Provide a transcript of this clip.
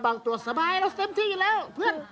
บางตัวสบายแล้วเต็มที่แล้วเพื่อน